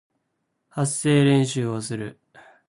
発声練習をする